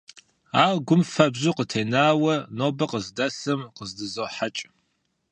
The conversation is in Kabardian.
Ар гум фэбжьу къытенауэ нобэр къыздэсым къыздызохьэкӀ.